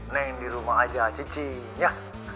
neng dirumah aja cici ya